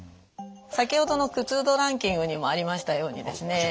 先ほどの苦痛度ランキングにもありましたようにですね